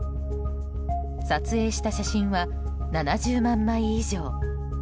撮影した写真は７０万枚以上。